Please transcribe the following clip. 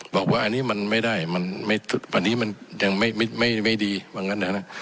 บอกว่าอันนี้มันไม่ได้อันนี้มันยังไม่ดีว่างั้นนะ